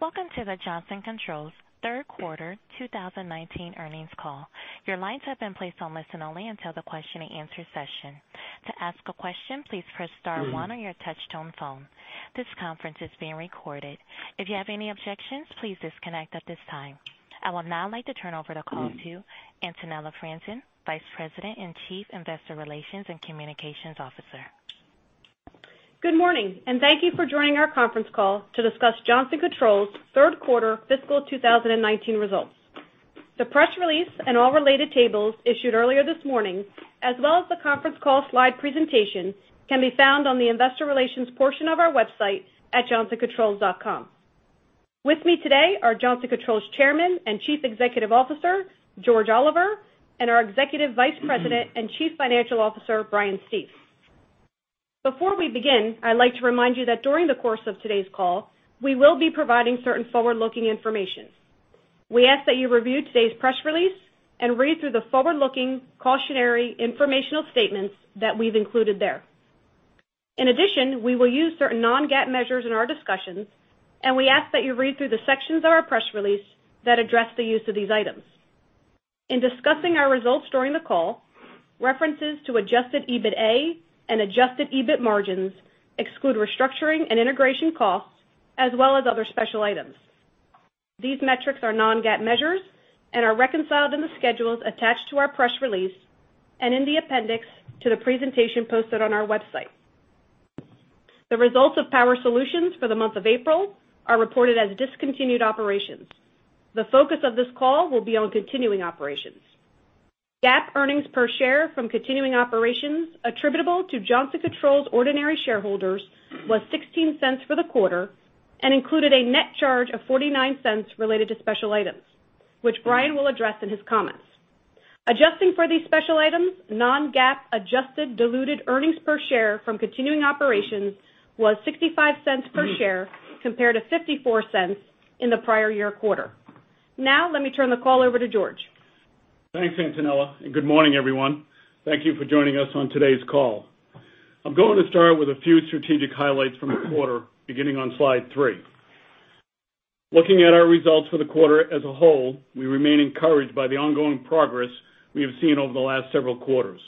Welcome to the Johnson Controls third quarter 2019 earnings call. Your lines have been placed on listen only until the question and answer session. To ask a question, please press star one on your touch-tone phone. This conference is being recorded. If you have any objections, please disconnect at this time. I would now like to turn over the call to Antonella Franzen, Vice President and Chief Investor Relations and Communications Officer. Good morning, and thank you for joining our conference call to discuss Johnson Controls third quarter fiscal 2019 results. The press release and all related tables issued earlier this morning, as well as the conference call slide presentation, can be found on the investor relations portion of our website at johnsoncontrols.com. With me today are Johnson Controls Chairman and Chief Executive Officer, George Oliver, and our Executive Vice President and Chief Financial Officer, Brian Stief. Before we begin, I'd like to remind you that during the course of today's call, we will be providing certain forward-looking information. We ask that you review today's press release and read through the forward-looking cautionary informational statements that we've included there. In addition, we will use certain non-GAAP measures in our discussions, and we ask that you read through the sections of our press release that address the use of these items. In discussing our results during the call, references to adjusted EBITA and adjusted EBIT margins exclude restructuring and integration costs, as well as other special items. These metrics are non-GAAP measures and are reconciled in the schedules attached to our press release and in the appendix to the presentation posted on our website. The results of Power Solutions for the month of April are reported as discontinued operations. The focus of this call will be on continuing operations. GAAP earnings per share from continuing operations attributable to Johnson Controls ordinary shareholders was $0.16 for the quarter and included a net charge of $0.49 related to special items, which Brian will address in his comments. Adjusting for these special items, non-GAAP adjusted diluted earnings per share from continuing operations was $0.65 per share compared to $0.54 in the prior year quarter. Now, let me turn the call over to George. Thanks, Antonella, good morning, everyone. Thank you for joining us on today's call. I'm going to start with a few strategic highlights from the quarter, beginning on slide three. Looking at our results for the quarter as a whole, we remain encouraged by the ongoing progress we have seen over the last several quarters.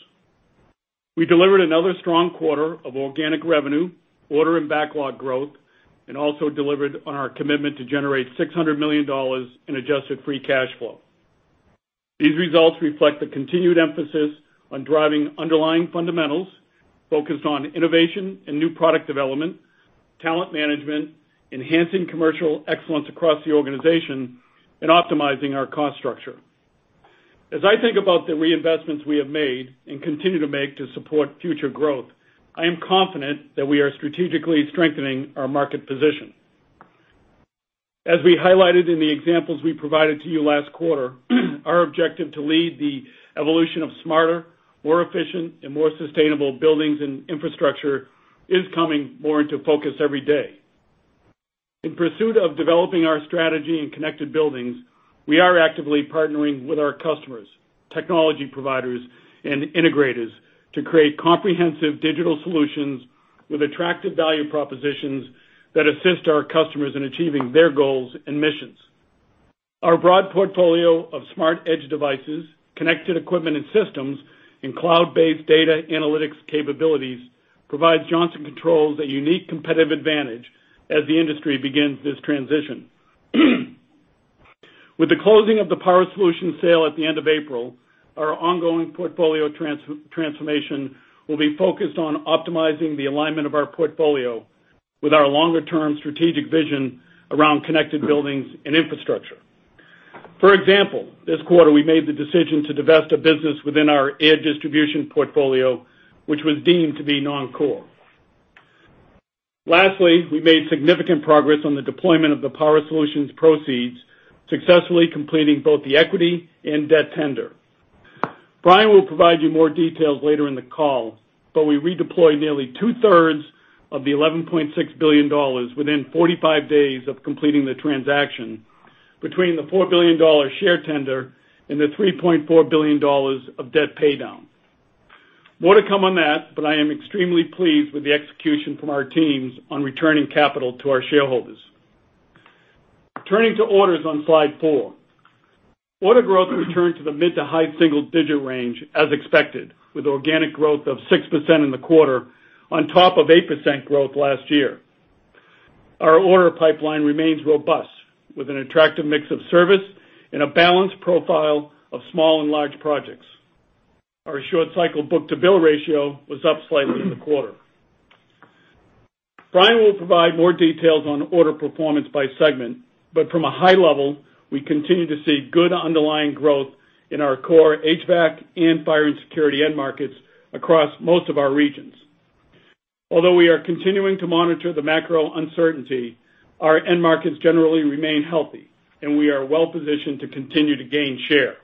We delivered another strong quarter of organic revenue, order and backlog growth, and also delivered on our commitment to generate $600 million in adjusted free cash flow. These results reflect the continued emphasis on driving underlying fundamentals, focused on innovation and new product development, talent management, enhancing commercial excellence across the organization, and optimizing our cost structure. As I think about the reinvestments we have made and continue to make to support future growth, I am confident that we are strategically strengthening our market position. As we highlighted in the examples we provided to you last quarter, our objective to lead the evolution of smarter, more efficient, and more sustainable buildings and infrastructure is coming more into focus every day. In pursuit of developing our strategy in connected buildings, we are actively partnering with our customers, technology providers, and integrators to create comprehensive digital solutions with attractive value propositions that assist our customers in achieving their goals and missions. Our broad portfolio of smart edge devices, connected equipment and systems, and cloud-based data analytics capabilities provides Johnson Controls a unique competitive advantage as the industry begins this transition. With the closing of the Power Solutions sale at the end of April, our ongoing portfolio transformation will be focused on optimizing the alignment of our portfolio with our longer-term strategic vision around connected buildings and infrastructure. For example, this quarter, we made the decision to divest a business within our air distribution portfolio, which was deemed to be non-core. Lastly, we made significant progress on the deployment of the Power Solutions proceeds, successfully completing both the equity and debt tender. Brian will provide you more details later in the call, but we redeployed nearly two-thirds of the $11.6 billion within 45 days of completing the transaction between the $4 billion share tender and the $3.4 billion of debt paydown. More to come on that, but I am extremely pleased with the execution from our teams on returning capital to our shareholders. Turning to orders on slide four. Order growth returned to the mid to high single digit range as expected, with organic growth of 6% in the quarter on top of 8% growth last year. Our order pipeline remains robust with an attractive mix of service and a balanced profile of small and large projects. Our short cycle book-to-bill ratio was up slightly in the quarter. Brian Stief will provide more details on order performance by segment, but from a high level, we continue to see good underlying growth in our core HVAC and fire and security end markets across most of our regions. Although we are continuing to monitor the macro uncertainty, our end markets generally remain healthy, and we are well-positioned to continue to gain share.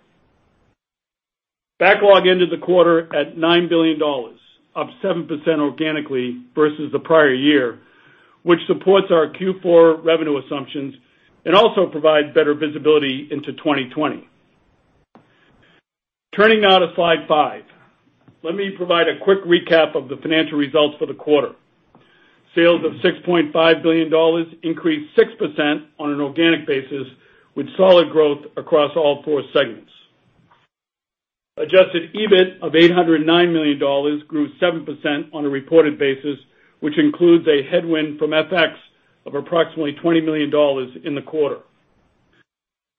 Backlog ended the quarter at $9 billion, up 7% organically versus the prior year, which supports our Q4 revenue assumptions and also provides better visibility into 2020. Turning now to slide five. Let me provide a quick recap of the financial results for the quarter. Sales of $6.5 billion increased 6% on an organic basis, with solid growth across all four segments. Adjusted EBIT of $809 million grew 7% on a reported basis, which includes a headwind from FX of approximately $20 million in the quarter.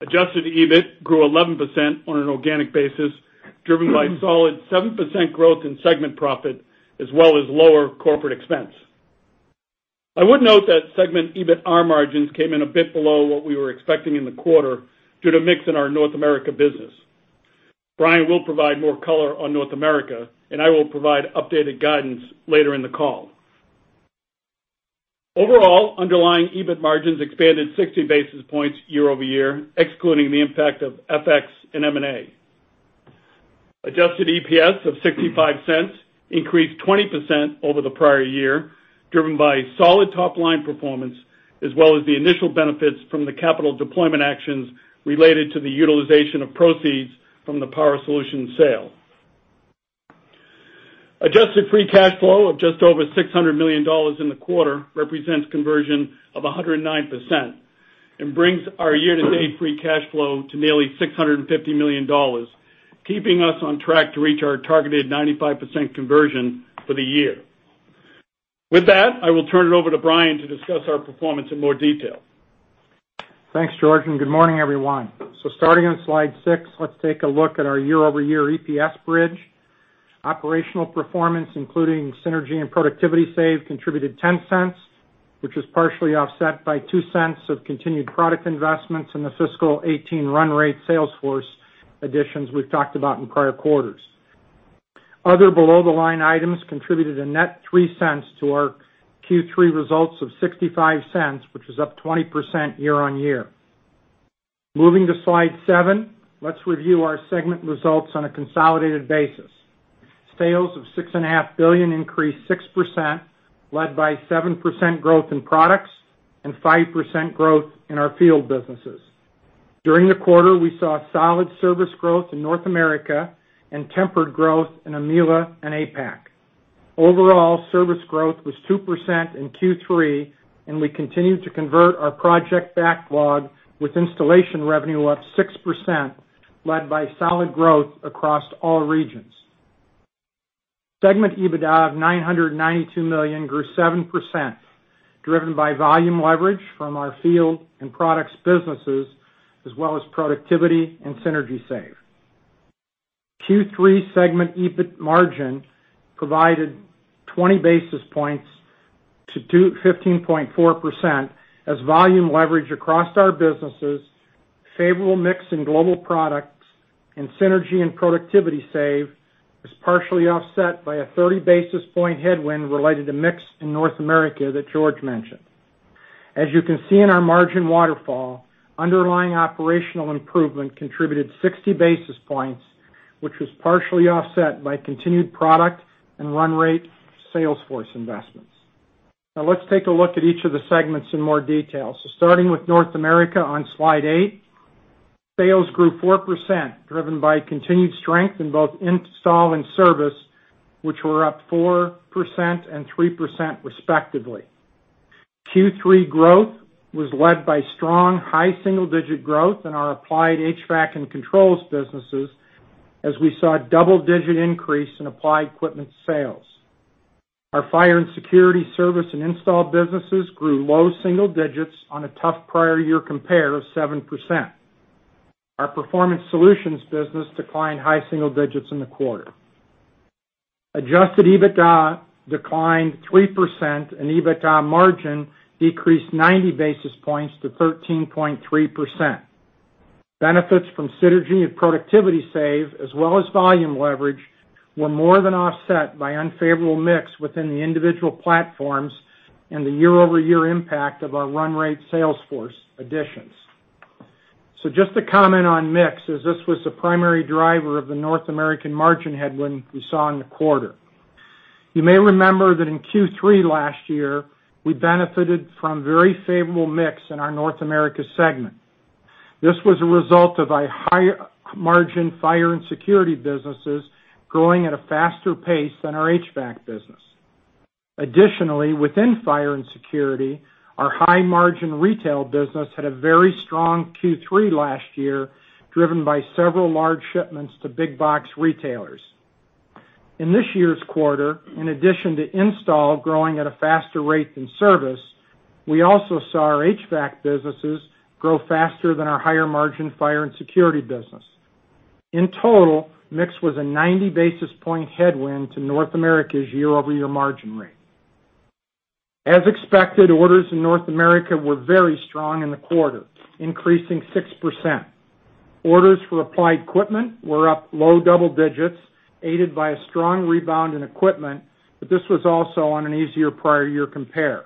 Adjusted EBIT grew 11% on an organic basis, driven by solid 7% growth in segment profit as well as lower corporate expense. I would note that segment EBITA margins came in a bit below what we were expecting in the quarter due to mix in our North America business. Brian will provide more color on North America, I will provide updated guidance later in the call. Overall, underlying EBIT margins expanded 60 basis points year-over-year, excluding the impact of FX and M&A. Adjusted EPS of $0.65 increased 20% over the prior year, driven by solid top-line performance as well as the initial benefits from the capital deployment actions related to the utilization of proceeds from the Power Solutions sale. Adjusted free cash flow of just over $600 million in the quarter represents conversion of 109% and brings our year-to-date free cash flow to nearly $650 million, keeping us on track to reach our targeted 95% conversion for the year. With that, I will turn it over to Brian to discuss our performance in more detail. Thanks, George. Good morning, everyone. Starting on slide six, let's take a look at our year-over-year EPS bridge. Operational performance, including synergy and productivity save, contributed $0.10, which was partially offset by $0.02 of continued product investments in the fiscal 2018 run rate sales force additions we've talked about in prior quarters. Other below-the-line items contributed a net $0.03 to our Q3 results of $0.65, which was up 20% year-over-year. Moving to slide seven, let's review our segment results on a consolidated basis. Sales of $6.5 billion increased 6%, led by 7% growth in products and 5% growth in our field businesses. During the quarter, we saw solid service growth in North America and tempered growth in EMEALA and APAC. Overall, service growth was 2% in Q3, and we continued to convert our project backlog with installation revenue up 6%, led by solid growth across all regions. Segment EBITA of $992 million grew 7%, driven by volume leverage from our field and products businesses as well as productivity and synergy save. Q3 segment EBIT margin provided 20 basis points to 15.4% as volume leverage across our businesses, favorable mix in global products, and synergy and productivity save is partially offset by a 30 basis point headwind related to mix in North America that George mentioned. As you can see in our margin waterfall, underlying operational improvement contributed 60 basis points, which was partially offset by continued product and run rate sales force investments. Let's take a look at each of the segments in more detail. Starting with North America on Slide 8, sales grew 4%, driven by continued strength in both install and service, which were up 4% and 3% respectively. Q3 growth was led by strong high single-digit growth in our applied HVAC and controls businesses, as we saw a double-digit increase in applied equipment sales. Our fire and security service and install businesses grew low single digits on a tough prior year compare of 7%. Our Performance Solutions business declined high single digits in the quarter. Adjusted EBITA declined 3%, and EBITA margin decreased 90 basis points to 13.3%. Benefits from synergy and productivity save as well as volume leverage were more than offset by unfavorable mix within the individual platforms and the year-over-year impact of our run rate sales force additions. Just to comment on mix, as this was the primary driver of the North American margin headwind we saw in the quarter. You may remember that in Q3 last year, we benefited from very favorable mix in our North America segment. This was a result of a higher margin fire and security businesses growing at a faster pace than our HVAC business. Additionally, within fire and security, our high margin retail business had a very strong Q3 last year, driven by several large shipments to big box retailers. In this year's quarter, in addition to install growing at a faster rate than service, we also saw our HVAC businesses grow faster than our higher margin fire and security business. In total, mix was a 90 basis point headwind to North America's year-over-year margin rate. As expected, orders in North America were very strong in the quarter, increasing 6%. Orders for applied equipment were up low double digits, aided by a strong rebound in equipment, but this was also on an easier prior year compare.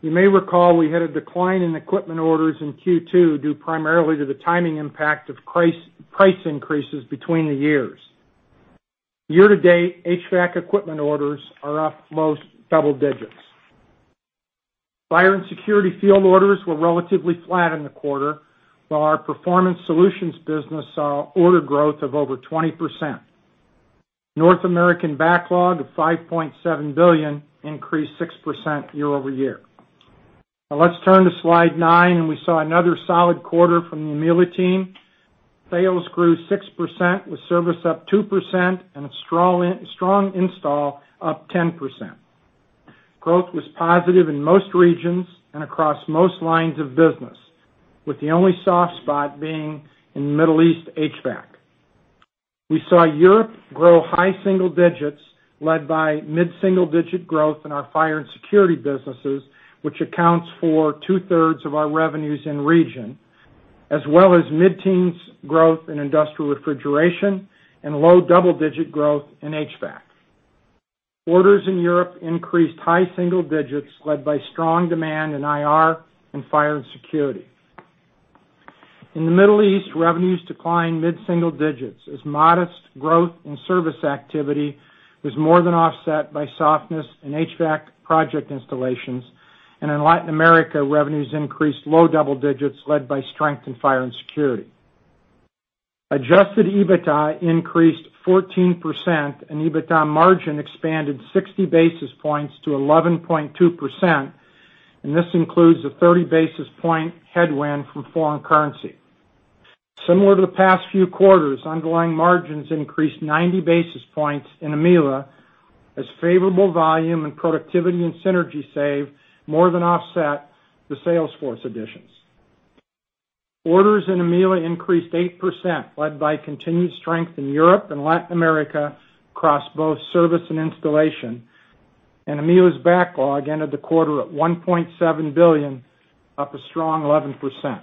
You may recall we had a decline in equipment orders in Q2 due primarily to the timing impact of price increases between the years. Year to date, HVAC equipment orders are up low double digits. Fire and security field orders were relatively flat in the quarter, while our performance solutions business saw order growth of over 20%. North American backlog of $5.7 billion increased 6% year-over-year. Let's turn to slide nine, and we saw another solid quarter from the EMEALA team. Sales grew 6% with service up 2% and a strong install up 10%. Growth was positive in most regions and across most lines of business, with the only soft spot being in Middle East HVAC. We saw Europe grow high single digits led by mid-single-digit growth in our fire and security businesses, which accounts for two-thirds of our revenues in region, as well as mid-teens growth in industrial refrigeration and low double-digit growth in HVAC. Orders in Europe increased high single digits led by strong demand in IR and fire and security. In the Middle East, revenues declined mid-single digits as modest growth in service activity was more than offset by softness in HVAC project installations. In Latin America, revenues increased low double digits led by strength in fire and security. Adjusted EBITDA increased 14% and EBITDA margin expanded 60 basis points to 11.2%. This includes a 30 basis point headwind from foreign currency. Similar to the past few quarters, underlying margins increased 90 basis points in EMEALA as favorable volume and productivity and synergy save more than offset the sales force additions. Orders in EMEALA increased 8%, led by continued strength in Europe and Latin America across both service and installation, and EMEALA's backlog ended the quarter at $1.7 billion, up a strong 11%.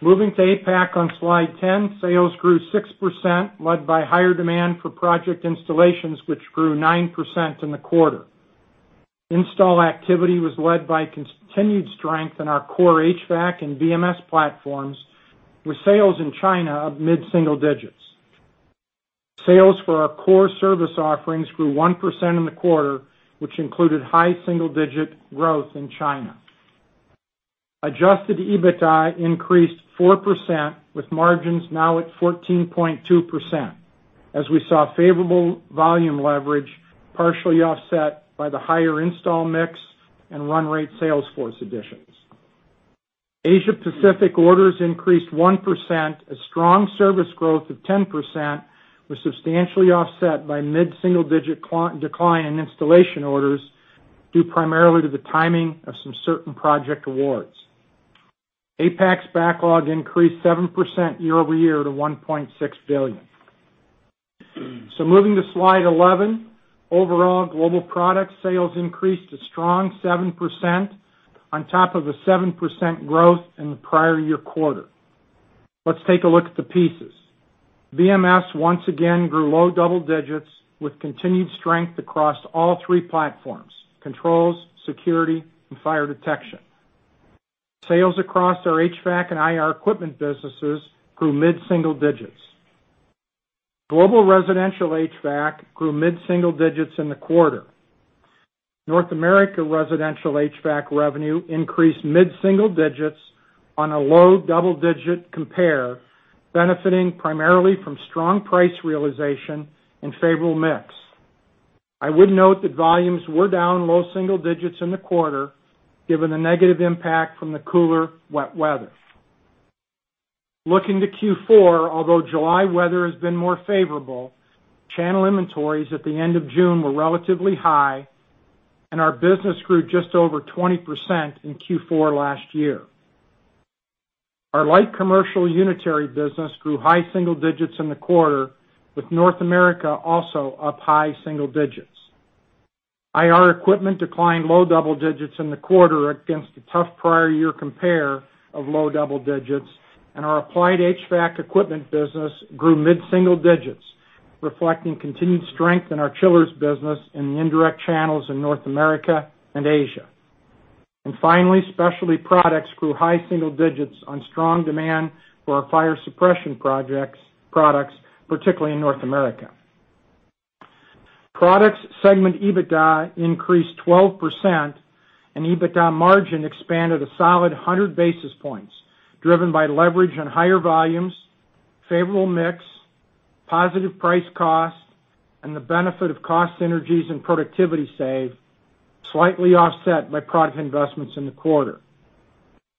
Moving to APAC on slide 10, sales grew 6%, led by higher demand for project installations, which grew 9% in the quarter. Install activity was led by continued strength in our core HVAC and BMS platforms, with sales in China up mid-single digits. Sales for our core service offerings grew 1% in the quarter, which included high single-digit growth in China. Adjusted EBITDA increased 4%, with margins now at 14.2%, as we saw favorable volume leverage partially offset by the higher install mix and run rate sales force additions. Asia Pacific orders increased 1%. A strong service growth of 10% was substantially offset by mid-single-digit decline in installation orders, due primarily to the timing of some certain project awards. APAC's backlog increased 7% year-over-year to $1.6 billion. Moving to slide 11, overall global product sales increased a strong 7% on top of a 7% growth in the prior year quarter. Let's take a look at the pieces. BMS once again grew low double digits with continued strength across all three platforms: controls, security, and fire detection. Sales across our HVAC and IR equipment businesses grew mid-single digits. Global residential HVAC grew mid-single digits in the quarter. North America residential HVAC revenue increased mid-single digits on a low double-digit compare, benefiting primarily from strong price realization and favorable mix. I would note that volumes were down low single digits in the quarter, given the negative impact from the cooler, wet weather. Looking to Q4, although July weather has been more favorable, channel inventories at the end of June were relatively high and our business grew just over 20% in Q4 last year. Our light commercial unitary business grew high single digits in the quarter, with North America also up high single digits. IR equipment declined low double digits in the quarter against a tough prior year compare of low double digits. Our applied HVAC equipment business grew mid-single digits, reflecting continued strength in our chillers business in the indirect channels in North America and Asia. Finally, specialty products grew high single digits on strong demand for our fire suppression products, particularly in North America. Products segment EBITDA increased 12% and EBITDA margin expanded a solid 100 basis points, driven by leverage on higher volumes, favorable mix, positive price cost, and the benefit of cost synergies and productivity save, slightly offset by product investments in the quarter.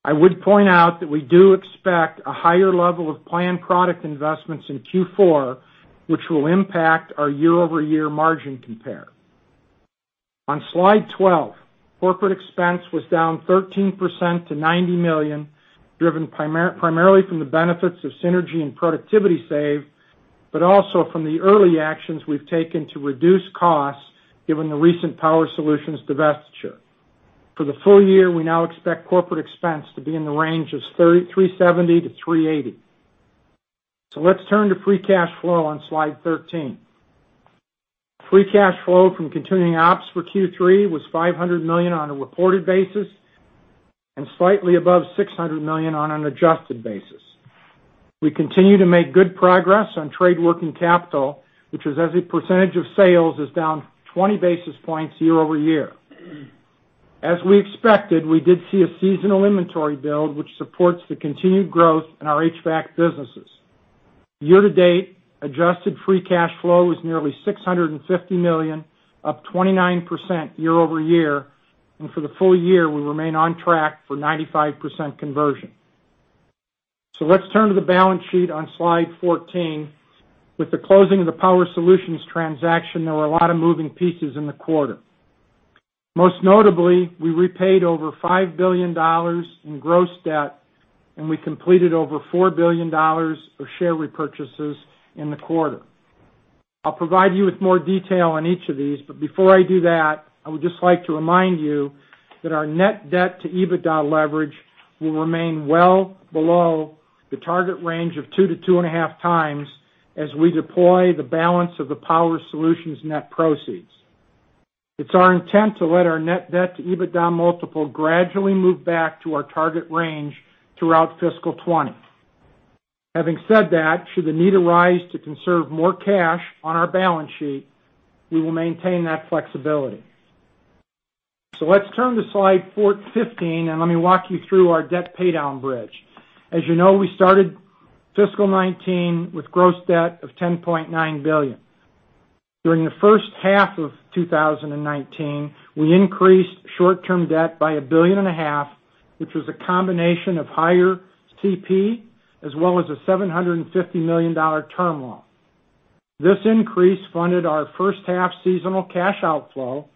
I would point out that we do expect a higher level of planned product investments in Q4, which will impact our year-over-year margin compare. On slide 12, corporate expense was down 13% to $90 million, driven primarily from the benefits of synergy and productivity save. Also from the early actions we've taken to reduce costs given the recent Power Solutions divestiture. For the full year, we now expect corporate expense to be in the range of $370-$380. Let's turn to free cash flow on slide 13. Free cash flow from continuing ops for Q3 was $500 million on a reported basis and slightly above $600 million on an adjusted basis. We continue to make good progress on trade working capital, which as a percentage of sales is down 20 basis points year-over-year. As we expected, we did see a seasonal inventory build, which supports the continued growth in our HVAC businesses. Year to date, adjusted free cash flow is nearly $650 million, up 29% year-over-year. For the full year, we remain on track for 95% conversion. Let's turn to the balance sheet on slide 14. With the closing of the Power Solutions transaction, there were a lot of moving pieces in the quarter. Most notably, we repaid over $5 billion in gross debt, and we completed over $4 billion of share repurchases in the quarter. I'll provide you with more detail on each of these, but before I do that, I would just like to remind you that our net debt to EBITDA leverage will remain well below the target range of 2 to 2.5 times, as we deploy the balance of the Power Solutions net proceeds. It's our intent to let our net debt to EBITDA multiple gradually move back to our target range throughout fiscal 2020. Having said that, should the need arise to conserve more cash on our balance sheet, we will maintain that flexibility. Let's turn to slide 15, and let me walk you through our debt paydown bridge. As you know, we started fiscal 2019 with gross debt of $10.9 billion. During the first half of 2019, we increased short-term debt by a billion and a half, which was a combination of higher CP as well as a $750 million term loan. This increase funded our first half seasonal cash outflow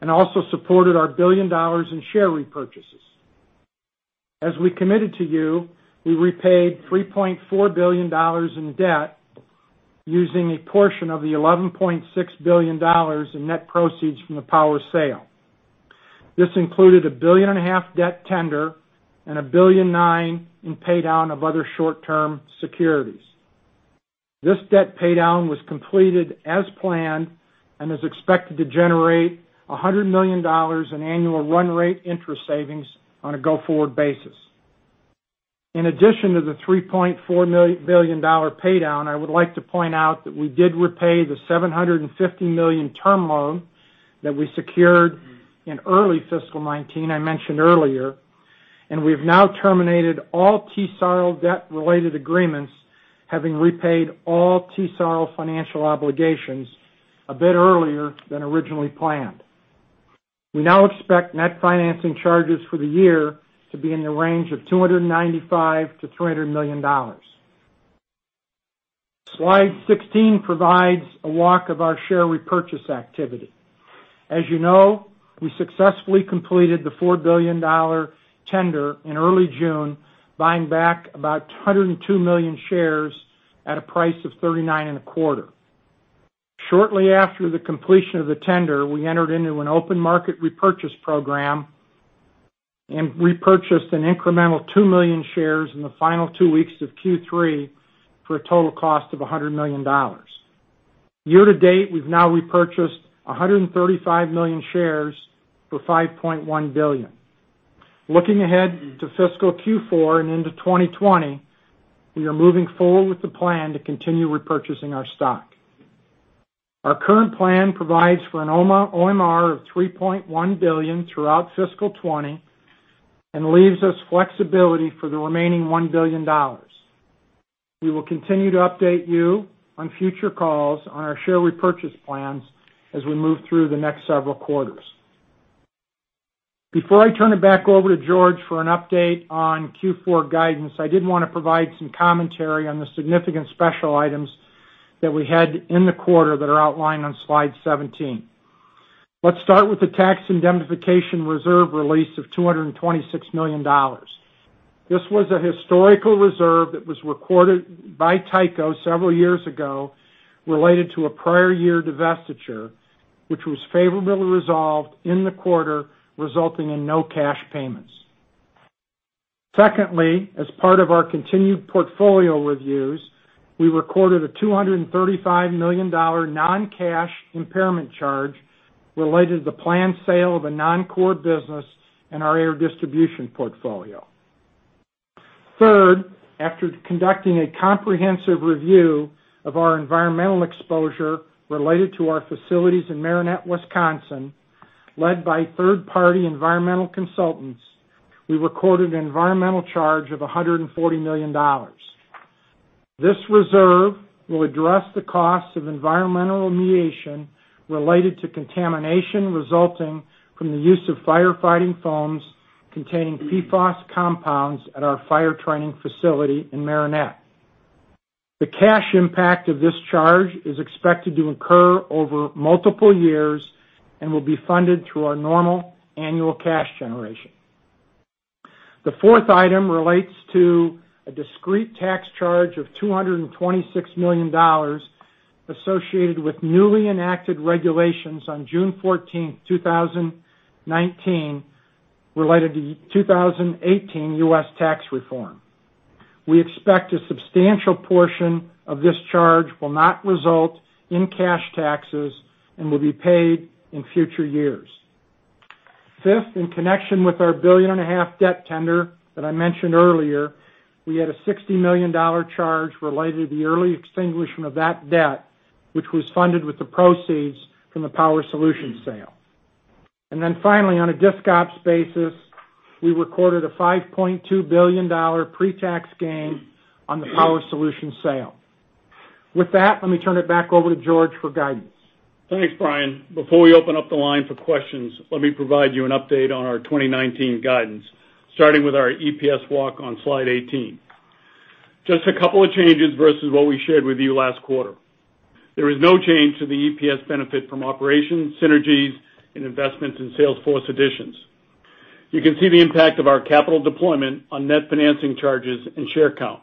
and also supported our $1 billion in share repurchases. As we committed to you, we repaid $3.4 billion in debt using a portion of the $11.6 billion in net proceeds from the Power Solutions sale. This included a billion and a half debt tender and a $1.9 billion in paydown of other short-term securities. This debt paydown was completed as planned and is expected to generate $100 million in annual run rate interest savings on a go-forward basis. In addition to the $3.4 billion paydown, I would like to point out that we did repay the $750 million term loan that we secured in early fiscal 2019, I mentioned earlier. We've now terminated all TSarl debt-related agreements, having repaid all TSarl financial obligations a bit earlier than originally planned. We now expect net financing charges for the year to be in the range of $295 million-$300 million. Slide 16 provides a walk of our share repurchase activity. As you know, we successfully completed the $4 billion tender in early June, buying back about 102 million shares at a price of $39 and a quarter. Shortly after the completion of the tender, we entered into an open market repurchase program and repurchased an incremental 2 million shares in the final 2 weeks of Q3 for a total cost of $100 million. Year to date, we've now repurchased 135 million shares for $5.1 billion. Looking ahead to fiscal Q4 and into 2020, we are moving forward with the plan to continue repurchasing our stock. Our current plan provides for an OMR of $3.1 billion throughout fiscal 2020 and leaves us flexibility for the remaining $1 billion. We will continue to update you on future calls on our share repurchase plans as we move through the next several quarters. Before I turn it back over to George for an update on Q4 guidance, I did want to provide some commentary on the significant special items that we had in the quarter that are outlined on slide 17. Let's start with the tax indemnification reserve release of $226 million. This was a historical reserve that was recorded by Tyco several years ago related to a prior year divestiture, which was favorably resolved in the quarter, resulting in no cash payments. Secondly, as part of our continued portfolio reviews, we recorded a $235 million non-cash impairment charge related to the planned sale of a non-core business in our air distribution portfolio. Third, after conducting a comprehensive review of our environmental exposure related to our facilities in Marinette, Wisconsin, led by third-party environmental consultants, we recorded an environmental charge of $140 million. This reserve will address the cost of environmental remediation related to contamination resulting from the use of firefighting foams containing PFOS compounds at our fire training facility in Marinette. The cash impact of this charge is expected to incur over multiple years and will be funded through our normal annual cash generation. The fourth item relates to a discrete tax charge of $226 million associated with newly enacted regulations on June 14th, 2019, related to the 2018 U.S. tax reform. We expect a substantial portion of this charge will not result in cash taxes and will be paid in future years. Fifth, in connection with our billion and a half debt tender that I mentioned earlier, we had a $60 million charge related to the early extinguishment of that debt, which was funded with the proceeds from the Power Solutions sale. Finally, on a disc ops basis, we recorded a $5.2 billion pre-tax gain on the Power Solutions sale. With that, let me turn it back over to George for guidance. Thanks, Brian. Before we open up the line for questions, let me provide you an update on our 2019 guidance, starting with our EPS walk on slide 18. Just a couple of changes versus what we shared with you last quarter. There is no change to the EPS benefit from operations, synergies, and investments in sales force additions. You can see the impact of our capital deployment on net financing charges and share count.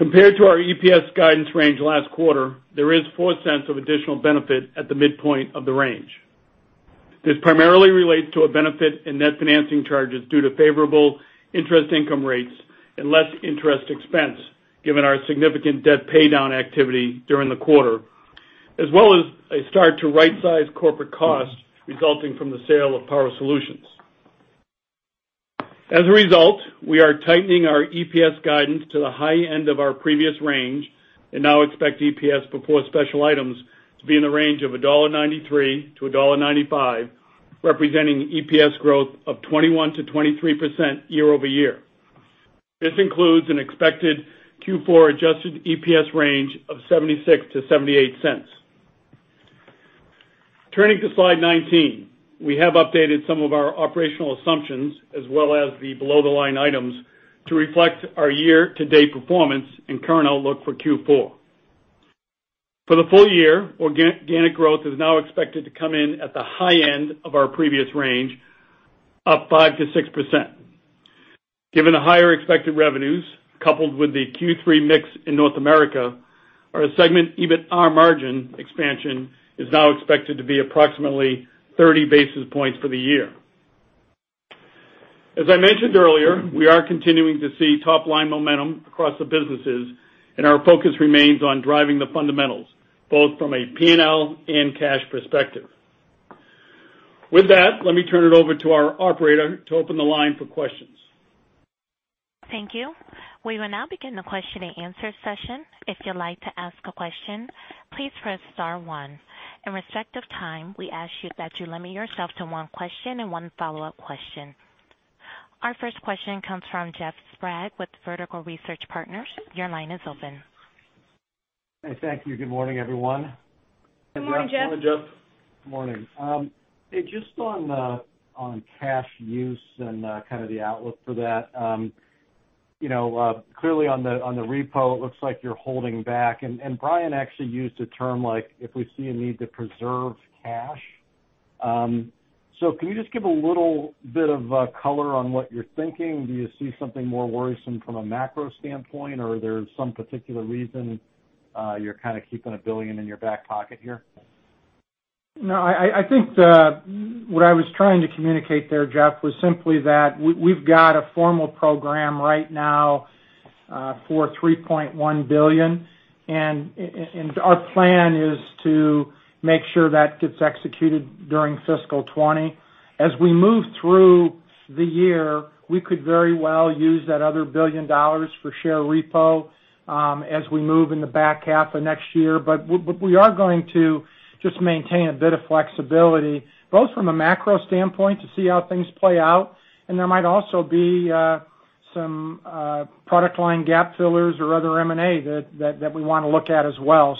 Compared to our EPS guidance range last quarter, there is $0.04 of additional benefit at the midpoint of the range. This primarily relates to a benefit in net financing charges due to favorable interest income rates and less interest expense, given our significant debt paydown activity during the quarter, as well as a start to right-size corporate costs resulting from the sale of Power Solutions. As a result, we are tightening our EPS guidance to the high end of our previous range and now expect EPS before special items to be in the range of $1.93-$1.95, representing EPS growth of 21%-23% year-over-year. This includes an expected Q4 adjusted EPS range of $0.76-$0.78. Turning to slide 19. We have updated some of our operational assumptions as well as the below-the-line items to reflect our year-to-date performance and current outlook for Q4. For the full year, organic growth is now expected to come in at the high end of our previous range, up 5%-6%. Given the higher expected revenues coupled with the Q3 mix in North America, our segment EBIT, our margin expansion is now expected to be approximately 30 basis points for the year. As I mentioned earlier, we are continuing to see top-line momentum across the businesses, and our focus remains on driving the fundamentals, both from a P&L and cash perspective. With that, let me turn it over to our operator to open the line for questions. Thank you. We will now begin the question and answer session. If you'd like to ask a question, please press star one. In respect of time, we ask that you limit yourself to one question and one follow-up question. Our first question comes from Jeff Sprague with Vertical Research Partners. Your line is open. Hey, thank you. Good morning, everyone. Good morning, Jeff. Good morning, Jeff. Morning. Hey, just on cash use and kind of the outlook for that. Clearly on the repo, it looks like you're holding back, and Brian actually used a term like, "If we see a need to preserve cash." Can you just give a little bit of color on what you're thinking? Do you see something more worrisome from a macro standpoint, or are there some particular reason you're kind of keeping $1 billion in your back pocket here? I think what I was trying to communicate there, Jeff, was simply that we've got a formal program right now for $3.1 billion, and our plan is to make sure that gets executed during fiscal 2020. As we move through the year, we could very well use that other $1 billion for share repo as we move in the back half of next year. We are going to just maintain a bit of flexibility, both from a macro standpoint to see how things play out, and there might also be some product line gap fillers or other M&A that we want to look at as well.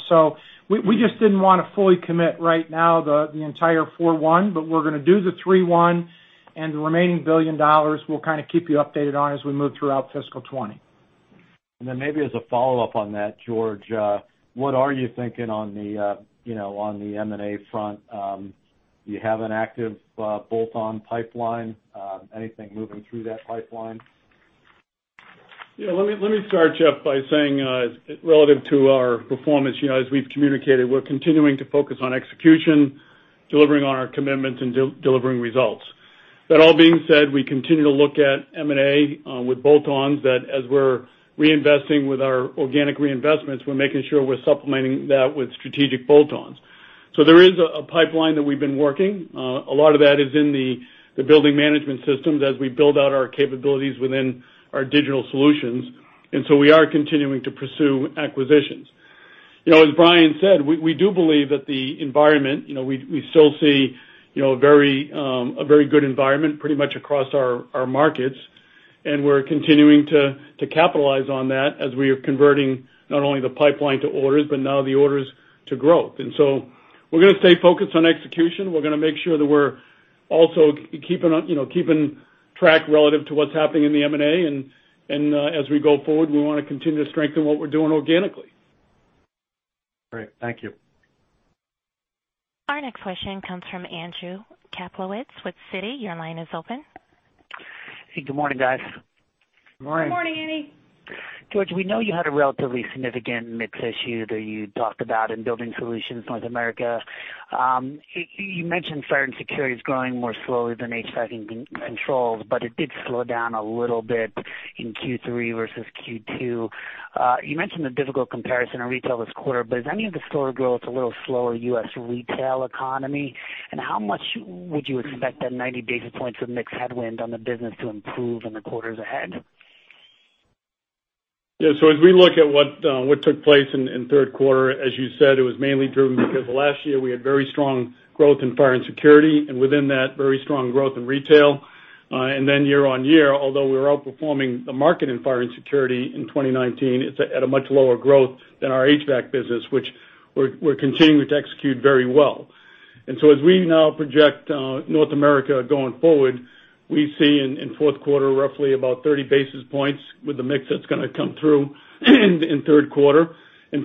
We just didn't want to fully commit right now the entire $4.1 billion, but we're going to do the $3.1 billion, and the remaining $1 billion we'll kind of keep you updated on as we move throughout fiscal 2020. Maybe as a follow-up on that, George, what are you thinking on the M&A front? Do you have an active bolt-on pipeline? Anything moving through that pipeline? Yeah, let me start, Jeff, by saying, relative to our performance, as we've communicated, we're continuing to focus on execution, delivering on our commitments, and delivering results. That all being said, we continue to look at M&A with bolt-ons that as we're reinvesting with our organic reinvestments, we're making sure we're supplementing that with strategic bolt-ons. There is a pipeline that we've been working. A lot of that is in the building management systems as we build out our capabilities within our digital solutions. We are continuing to pursue acquisitions. As Brian said, we do believe that the environment, we still see a very good environment pretty much across our markets, and we're continuing to capitalize on that as we are converting not only the pipeline to orders, but now the orders to growth. We're going to stay focused on execution. We're going to make sure that we're also keeping track relative to what's happening in the M&A. As we go forward, we want to continue to strengthen what we're doing organically. Great. Thank you. Our next question comes from Andrew Kaplowitz with Citi. Your line is open. Hey, good morning, guys. Good morning. Good morning, Andy. George, we know you had a relatively significant mix issue that you talked about in Building Solutions North America. You mentioned fire and security is growing more slowly than HVAC and controls, but it did slow down a little bit in Q3 versus Q2. You mentioned the difficult comparison in retail this quarter, Is any of the slower growth a little slower U.S. retail economy? How much would you expect that 90 basis points of mix headwind on the business to improve in the quarters ahead? As we look at what took place in third quarter, as you said, it was mainly driven because last year we had very strong growth in fire and security, and within that, very strong growth in retail. Year-on-year, although we were outperforming the market in fire and security in 2019, it's at a much lower growth than our HVAC business, which we're continuing to execute very well. As we now project North America going forward, we see in fourth quarter, roughly about 30 basis points with the mix that's going to come through in third quarter.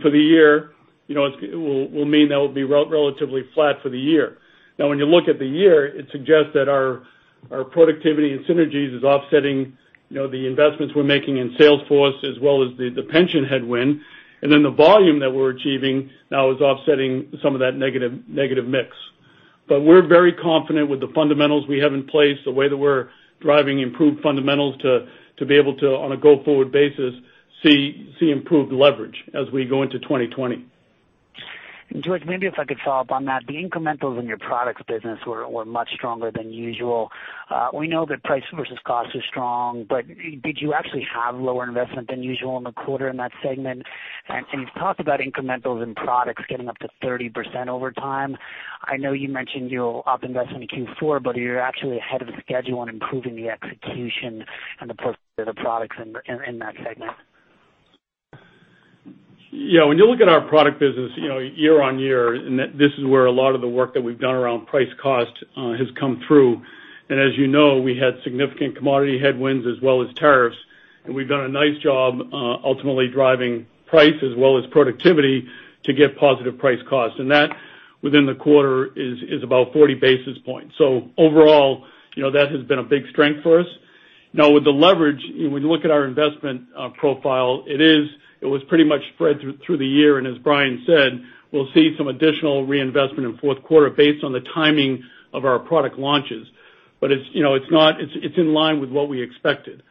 For the year, it will mean that we'll be relatively flat for the year. When you look at the year, it suggests that our productivity and synergies is offsetting the investments we're making in sales force as well as the pension headwind. The volume that we're achieving now is offsetting some of that negative mix. We're very confident with the fundamentals we have in place, the way that we're driving improved fundamentals to be able to, on a go-forward basis, see improved leverage as we go into 2020. George, maybe if I could follow up on that. The incrementals in your products business were much stronger than usual. We know that price versus cost is strong, but did you actually have lower investment than usual in the quarter in that segment? You've talked about incrementals in products getting up to 30% over time. I know you mentioned you'll up investment in Q4, are you actually ahead of schedule on improving the execution and the products in that segment? Yeah. When you look at our product business year-over-year, this is where a lot of the work that we've done around price cost has come through. As you know, we had significant commodity headwinds as well as tariffs. We've done a nice job, ultimately driving price as well as productivity to get positive price cost. That within the quarter is about 40 basis points. Overall, that has been a big strength for us. Now with the leverage, when you look at our investment profile, it was pretty much spread through the year, and as Brian said, we'll see some additional reinvestment in fourth quarter based on the timing of our product launches. It's in line with what we expected.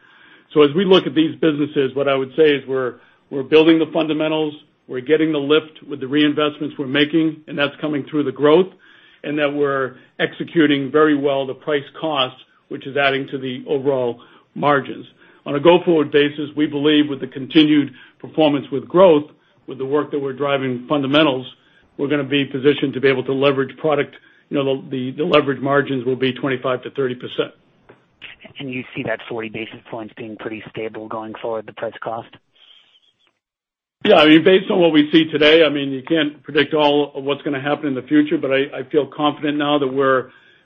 As we look at these businesses, what I would say is we're building the fundamentals, we're getting the lift with the reinvestments we're making, and that's coming through the growth, and that we're executing very well the price cost, which is adding to the overall margins. On a go-forward basis, we believe with the continued performance with growth, with the work that we're driving fundamentals, we're going to be positioned to be able to leverage product. The leverage margins will be 25%-30%. You see that 40 basis points being pretty stable going forward, the price cost? Yeah. Based on what we see today, you can't predict all of what's going to happen in the future, but I feel confident now that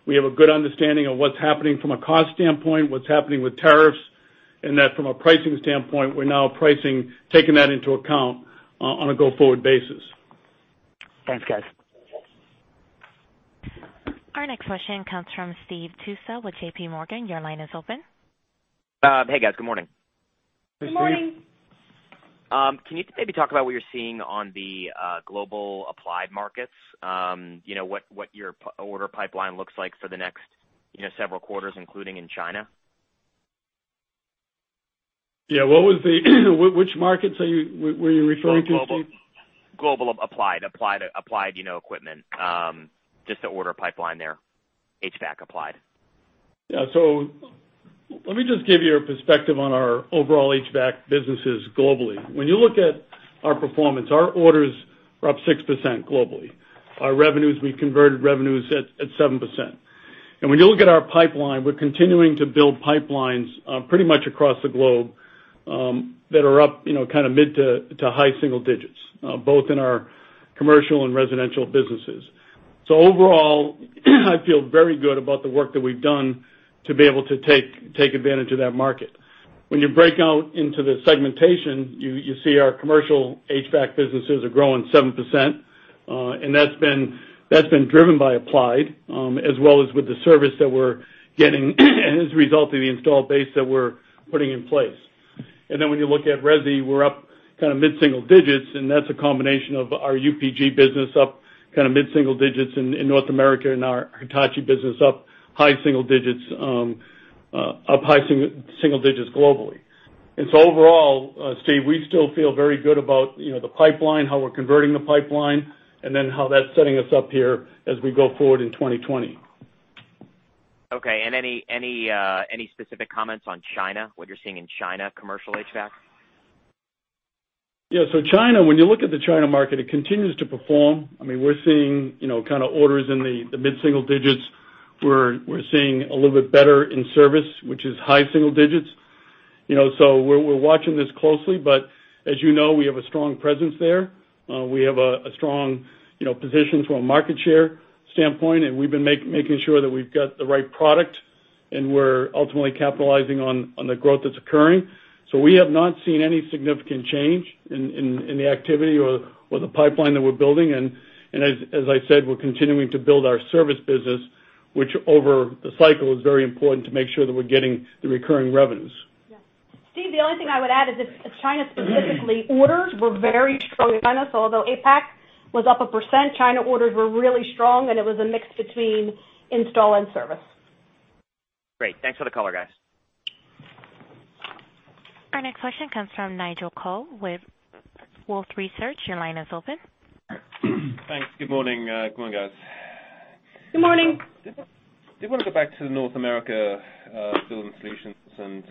we have a good understanding of what's happening from a cost standpoint, what's happening with tariffs, and that from a pricing standpoint, we're now pricing, taking that into account on a go-forward basis. Thanks, guys. Our next question comes from Steve Tusa with JPMorgan. Your line is open. Hey, guys. Good morning. Good morning. Good morning. Can you maybe talk about what you're seeing on the global applied markets? What your order pipeline looks like for the next several quarters, including in China? Yeah. Which markets were you referring to, Steve? Global applied. Applied equipment. Just the order pipeline there. HVAC applied. Yeah. Let me just give you a perspective on our overall HVAC businesses globally. When you look at our performance, our orders were up 6% globally. Our revenues, we converted revenues at 7%. When you look at our pipeline, we're continuing to build pipelines pretty much across the globe, that are up mid to high single digits, both in our commercial and residential businesses. Overall, I feel very good about the work that we've done to be able to take advantage of that market. When you break out into the segmentation, you see our commercial HVAC businesses are growing 7%, and that's been driven by applied, as well as with the service that we're getting and as a result of the installed base that we're putting in place. When you look at resi, we're up mid single digits, and that's a combination of our UPG business up mid single digits in North America and our Hitachi business up high single digits globally. Overall, Steve, we still feel very good about the pipeline, how we're converting the pipeline, and then how that's setting us up here as we go forward in 2020. Okay. Any specific comments on China? What you're seeing in China commercial HVAC? China, when you look at the China market, it continues to perform. We're seeing orders in the mid-single digits. We're seeing a little bit better in service, which is high single digits. We're watching this closely, but as you know, we have a strong presence there. We have a strong position from a market share standpoint, and we've been making sure that we've got the right product, and we're ultimately capitalizing on the growth that's occurring. We have not seen any significant change in the activity or the pipeline that we're building. As I said, we're continuing to build our service business, which over the cycle is very important to make sure that we're getting the recurring revenues. Steve, the only thing I would add is that China specifically, orders were very strong in China. Although APAC was up 1%, China orders were really strong, and it was a mix between install and service. Great. Thanks for the color, guys. Our next question comes from Nigel Coe with Wolfe Research. Your line is open. Thanks. Good morning. Good morning, guys. Good morning. I did want to go back to the North America Building Solutions and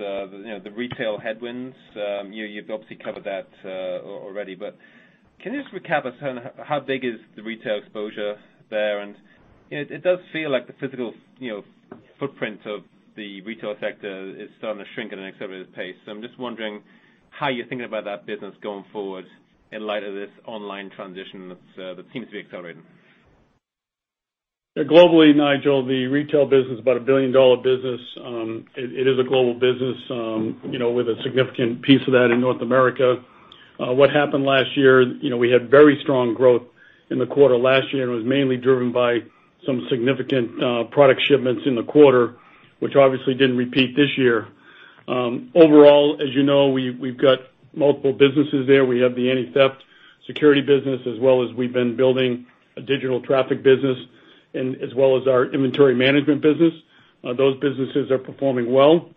the retail headwinds. You've obviously covered that already, but can you just recap us on how big is the retail exposure there? It does feel like the physical footprint of the retail sector is starting to shrink at an accelerated pace. I'm just wondering how you're thinking about that business going forward in light of this online transition that seems to be accelerating. Globally, Nigel, the retail business is about a billion-dollar business. It is a global business with a significant piece of that in North America. What happened last year, we had very strong growth in the quarter last year, and it was mainly driven by some significant product shipments in the quarter, which obviously didn't repeat this year. Overall, as you know, we've got multiple businesses there. We have the anti-theft security business, as well as we've been building a digital traffic business and as well as our inventory management business. Those businesses are performing well.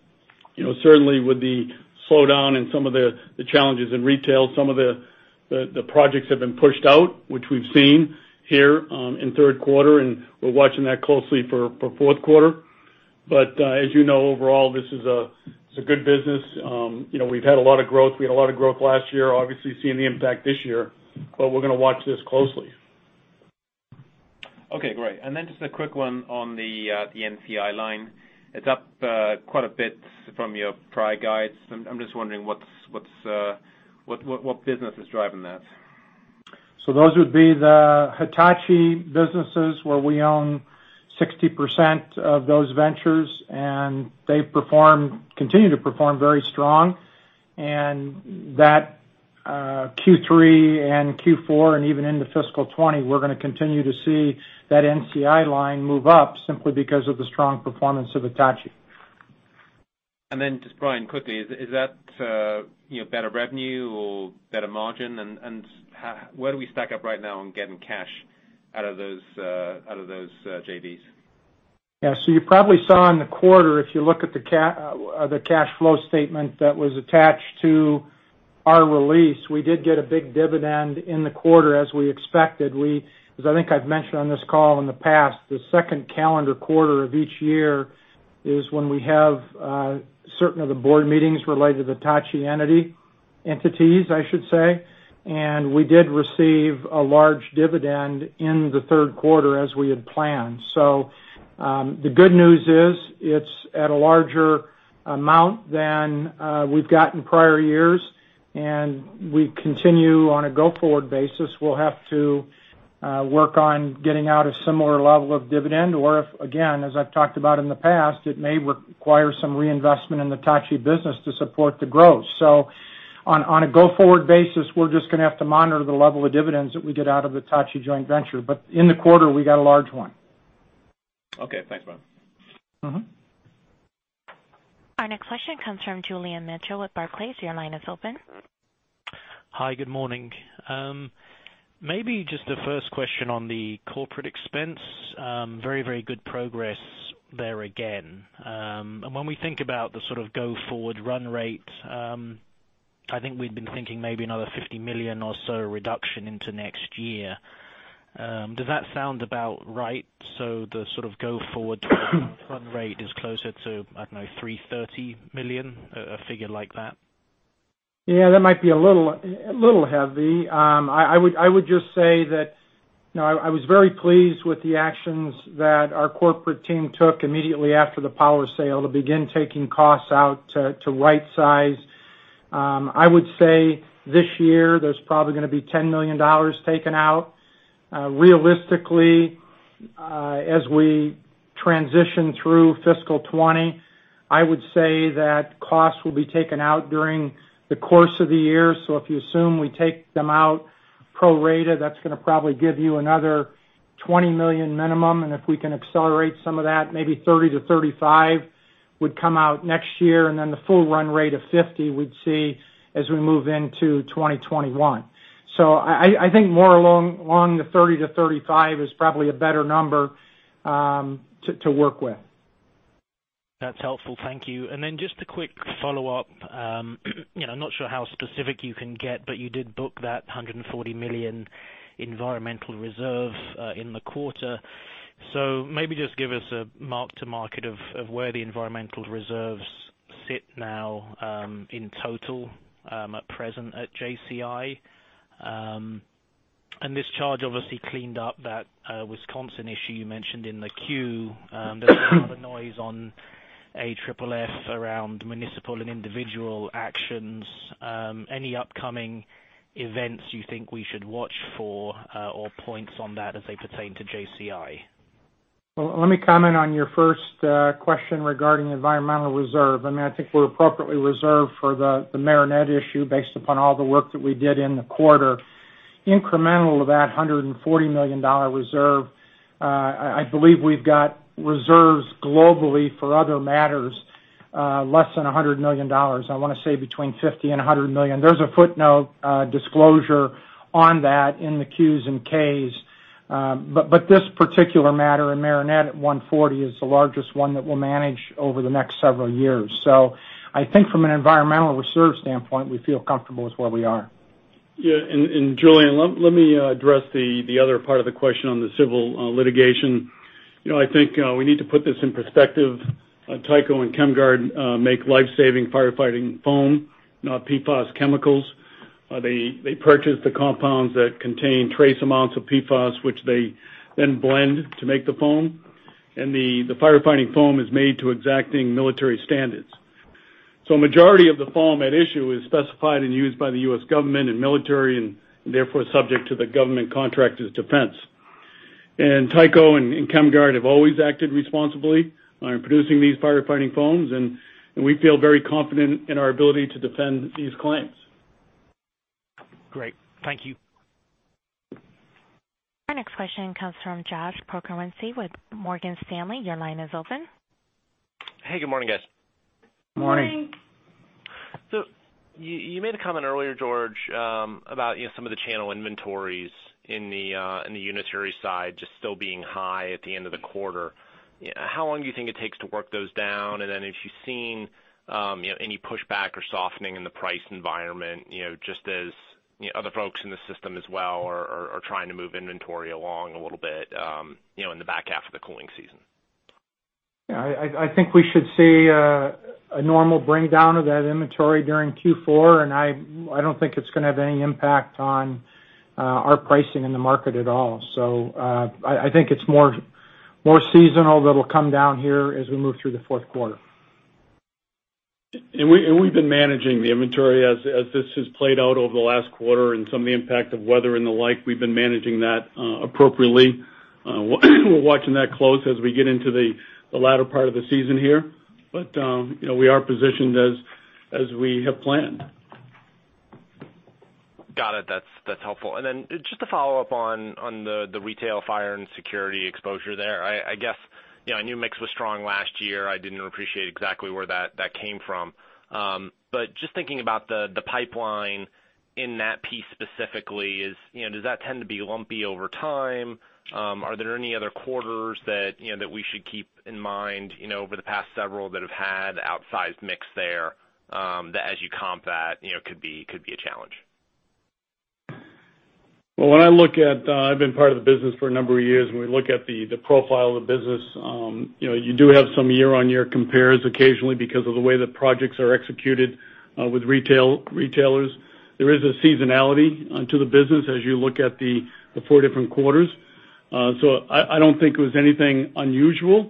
Certainly with the slowdown in some of the challenges in retail, some of the projects have been pushed out, which we've seen here in third quarter, and we're watching that closely for fourth quarter. As you know, overall, this is a good business. We've had a lot of growth. We had a lot of growth last year, obviously seeing the impact this year. We're going to watch this closely. Okay, great. Just a quick one on the NCI line. It's up quite a bit from your prior guides. I'm just wondering what business is driving that? Those would be the Hitachi businesses where we own 60% of those ventures, and they continue to perform very strong. That Q3 and Q4, and even into fiscal 2020, we're going to continue to see that NCI line move up simply because of the strong performance of Hitachi. Just, Brian, quickly, is that better revenue or better margin? Where do we stack up right now on getting cash out of those JVs? You probably saw in the quarter, if you look at the cash flow statement that was attached to our release, we did get a big dividend in the quarter as we expected. As I think I've mentioned on this call in the past, the second calendar quarter of each year is when we have certain of the board meetings related to Hitachi entity, entities, I should say. We did receive a large dividend in the third quarter as we had planned. The good news is it's at a larger amount than we've got in prior years, and we continue on a go-forward basis. We'll have to work on getting out a similar level of dividend. If, again, as I've talked about in the past, it may require some reinvestment in the Hitachi business to support the growth. On a go-forward basis, we're just going to have to monitor the level of dividends that we get out of the Hitachi joint venture. In the quarter, we got a large one. Okay, thanks, Brian. Our next question comes from Julian Mitchell with Barclays. Your line is open. Hi, good morning. Maybe just the first question on the corporate expense. Very good progress there again. When we think about the sort of go forward run rate, I think we'd been thinking maybe another $50 million or so reduction into next year. Does that sound about right? The sort of go forward run rate is closer to, I don't know, $330 million, a figure like that? Yeah, that might be a little heavy. I would just say that I was very pleased with the actions that our corporate team took immediately after the Power sale to begin taking costs out to right size. I would say this year there's probably going to be $10 million taken out. Realistically, as we transition through fiscal 2020, I would say that costs will be taken out during the course of the year. If you assume we take them out pro rata, that's going to probably give you another $20 million minimum, and if we can accelerate some of that, maybe $30 million-$35 million would come out next year. The full run rate of $50 million we'd see as we move into 2021. I think more along the $30 million-$35 million is probably a better number to work with. That's helpful. Thank you. Just a quick follow-up. I'm not sure how specific you can get, but you did book that $140 million environmental reserve in the quarter. Maybe just give us a mark to market of where the environmental reserves sit now in total at present at JCI. This charge obviously cleaned up that Wisconsin issue you mentioned in the Q. There's been other noise on AFFF around municipal and individual actions. Any upcoming events you think we should watch for or points on that as they pertain to JCI? Well, let me comment on your first question regarding environmental reserve. I think we're appropriately reserved for the Marinette issue based upon all the work that we did in the quarter. Incremental to that $140 million reserve, I believe we've got reserves globally for other matters, less than $100 million. I want to say between $50 million and $100 million. There's a footnote disclosure on that in the Qs and Ks. This particular matter in Marinette at $140 million is the largest one that we'll manage over the next several years. I think from an environmental reserve standpoint, we feel comfortable with where we are. Yeah. Julian, let me address the other part of the question on the civil litigation. I think we need to put this in perspective. Tyco and Chemguard make life-saving firefighting foam, not PFAS chemicals. They purchase the compounds that contain trace amounts of PFAS, which they then blend to make the foam, and the firefighting foam is made to exacting military standards. Majority of the foam at issue is specified and used by the U.S. government and military, and therefore subject to the government contractor's defense. Tyco and Chemguard have always acted responsibly in producing these firefighting foams, and we feel very confident in our ability to defend these claims. Great. Thank you. Our next question comes from Josh Pokrzywinski with Morgan Stanley. Your line is open. Hey, good morning, guys. Morning. Morning. You made a comment earlier, George, about some of the channel inventories in the unitary side just still being high at the end of the quarter. How long do you think it takes to work those down? If you've seen any pushback or softening in the price environment, just as other folks in the system as well are trying to move inventory along a little bit in the back half of the cooling season. I think we should see a normal bring down of that inventory during Q4, and I don't think it's going to have any impact on our pricing in the market at all. I think it's more seasonal that'll come down here as we move through the fourth quarter. We've been managing the inventory as this has played out over the last quarter and some of the impact of weather and the like. We've been managing that appropriately. We're watching that close as we get into the latter part of the season here. We are positioned as we have planned. Got it. That's helpful. Just to follow up on the retail fire and security exposure there. I guess I knew mix was strong last year. I didn't appreciate exactly where that came from. Just thinking about the pipeline in that piece specifically, does that tend to be lumpy over time? Are there any other quarters that we should keep in mind over the past several that have had outsized mix there, that as you comp that could be a challenge? Well, I've been part of the business for a number of years, and we look at the profile of the business. You do have some year-on-year compares occasionally because of the way the projects are executed with retailers. There is a seasonality to the business as you look at the four different quarters. I don't think it was anything unusual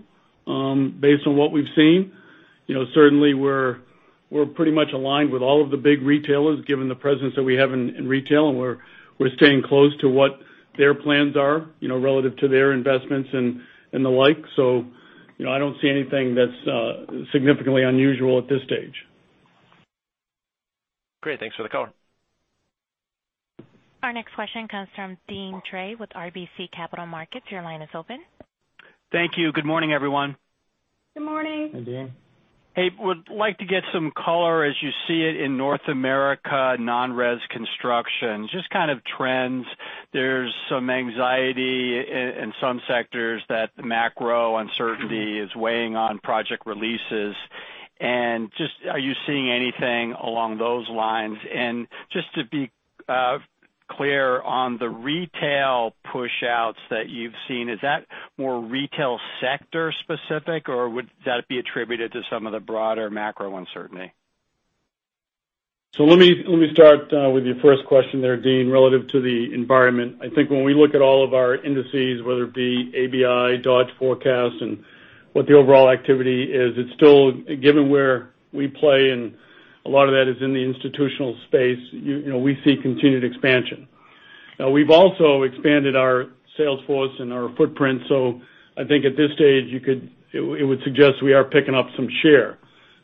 based on what we've seen. Certainly we're pretty much aligned with all of the big retailers, given the presence that we have in retail, and we're staying close to what their plans are, relative to their investments and the like. I don't see anything that's significantly unusual at this stage. Great. Thanks for the color. Our next question comes from Deane Dray with RBC Capital Markets. Your line is open. Thank you. Good morning, everyone. Good morning. Hi, Deane. Hey, would like to get some color as you see it in North America, non-res construction, just kind of trends. There's some anxiety in some sectors that the macro uncertainty is weighing on project releases. Are you seeing anything along those lines? Just to be clear on the retail push-outs that you've seen, is that more retail sector specific, or would that be attributed to some of the broader macro uncertainty? Let me start with your first question there, Deane. Relative to the environment, I think when we look at all of our indices, whether it be ABI, Dodge forecast, and what the overall activity is, it's still given where we play in, a lot of that is in the institutional space. We see continued expansion. We've also expanded our sales force and our footprint. I think at this stage, it would suggest we are picking up some share.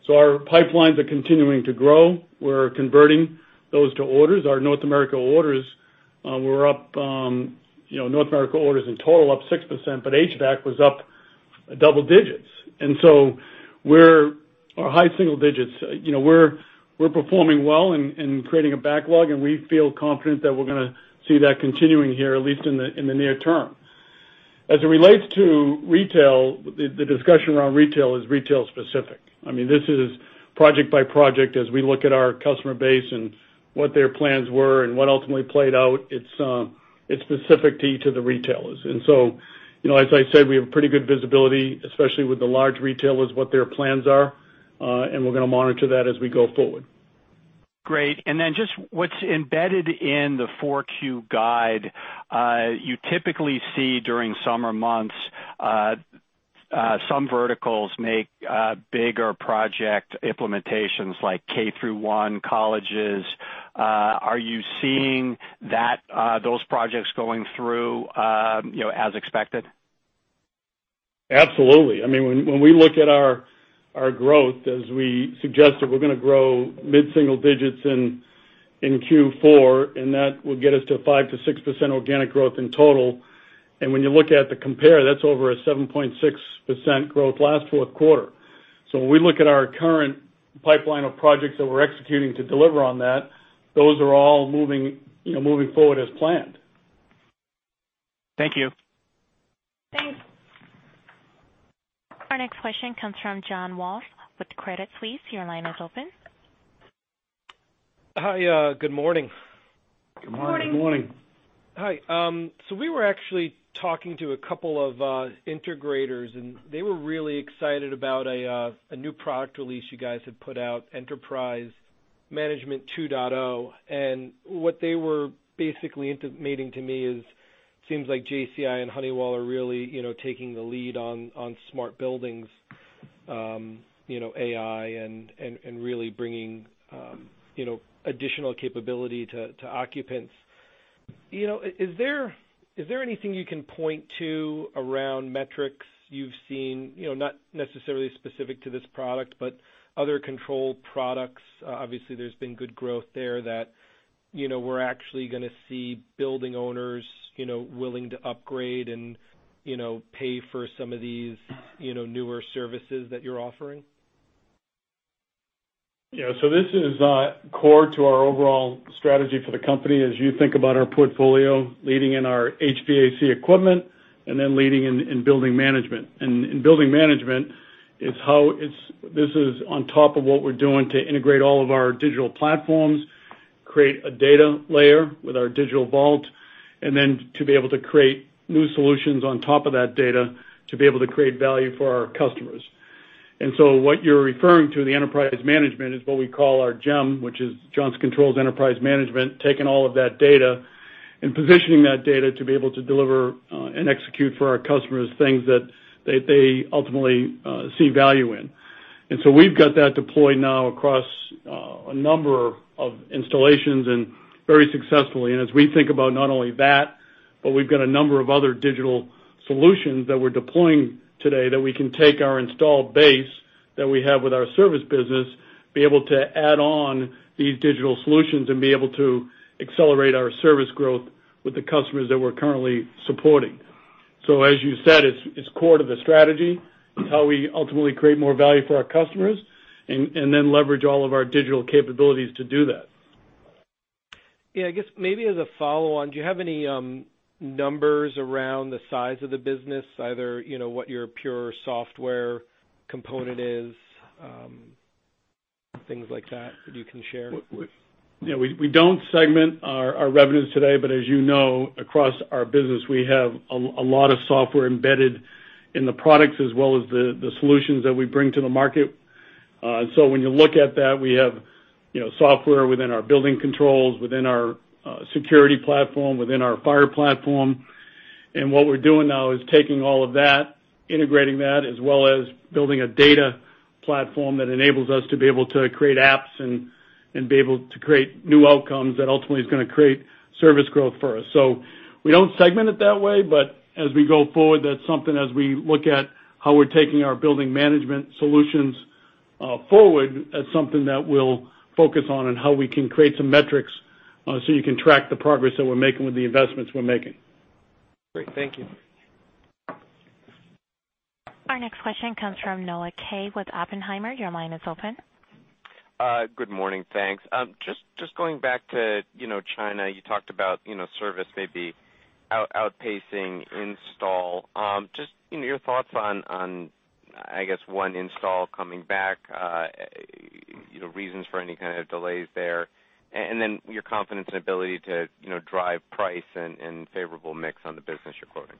Our pipelines are continuing to grow. We're converting those to orders. Our North America orders in total up 6%, but HVAC was up double digits. Our high single digits, we're performing well and creating a backlog, and we feel confident that we're going to see that continuing here, at least in the near term. As it relates to retail, the discussion around retail is retail specific. This is project by project as we look at our customer base and what their plans were and what ultimately played out. It's specific to each of the retailers. As I said, we have pretty good visibility, especially with the large retailers, what their plans are. We're going to monitor that as we go forward. Great. Just what's embedded in the 4Q guide, you typically see during summer months, some verticals make bigger project implementations like K through 12, colleges. Are you seeing those projects going through as expected? Absolutely. When we look at our growth, as we suggested, we're going to grow mid-single digits in Q4, that will get us to 5%-6% organic growth in total. When you look at the compare, that's over a 7.6% growth last fourth quarter. When we look at our current pipeline of projects that we're executing to deliver on that, those are all moving forward as planned. Thank you. Our next question comes from John Walsh with Credit Suisse. Your line is open. Hi, good morning. Good morning. Hi. We were actually talking to a couple of integrators, and they were really excited about a new product release you guys have put out, Enterprise Management 2.0. What they were basically intimating to me is, seems like JCI and Honeywell are really taking the lead on smart buildings, AI and really bringing additional capability to occupants. Is there anything you can point to around metrics you've seen, not necessarily specific to this product, but other control products? Obviously, there's been good growth there that we're actually going to see building owners willing to upgrade and pay for some of these newer services that you're offering. Yeah. This is core to our overall strategy for the company. As you think about our portfolio, leading in our HVAC equipment, and then leading in building management. In building management, this is on top of what we're doing to integrate all of our digital platforms, create a data layer with our digital vault, and then to be able to create new solutions on top of that data to be able to create value for our customers. What you're referring to, the enterprise management, is what we call our JEM, which is Johnson Controls Enterprise Management, taking all of that data and positioning that data to be able to deliver and execute for our customers, things that they ultimately see value in. We've got that deployed now across a number of installations and very successfully. As we think about not only that, but we've got a number of other digital solutions that we're deploying today that we can take our installed base that we have with our service business, be able to add on these digital solutions and be able to accelerate our service growth with the customers that we're currently supporting. As you said, it's core to the strategy, it's how we ultimately create more value for our customers, and then leverage all of our digital capabilities to do that. Yeah, I guess maybe as a follow-on, do you have any numbers around the size of the business, either what your pure software component is, things like that you can share? We don't segment our revenues today, but as you know, across our business, we have a lot of software embedded in the products as well as the solutions that we bring to the market. When you look at that, we have software within our building controls, within our security platform, within our fire platform. What we're doing now is taking all of that, integrating that, as well as building a data platform that enables us to be able to create apps and be able to create new outcomes that ultimately is going to create service growth for us. We don't segment it that way, but as we go forward, that's something as we look at how we're taking our building management solutions forward, that's something that we'll focus on and how we can create some metrics, so you can track the progress that we're making with the investments we're making. Great. Thank you. Our next question comes from Noah Kaye with Oppenheimer. Your line is open. Good morning. Thanks. Just going back to China, you talked about service may be outpacing install. Just your thoughts on, I guess, one install coming back, reasons for any kind of delays there, and then your confidence and ability to drive price and favorable mix on the business you're quoting.